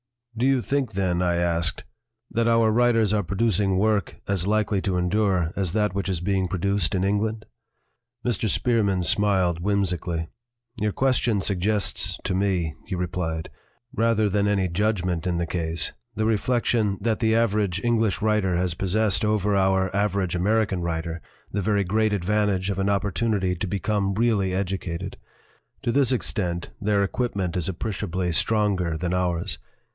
"Do you think, then," I asked, "that our writers are producing work as likely to endure as that which is being produced in England?" Mr. Spearman smiled whimsically. "Your question suggests to me," he replied, "rather than any judgment in the case, the reflection that the average English writer has possessed over our average American writer the very great advan tage of an opportunity to become really educated; to this extent their equipment is appreciably stronger than ours.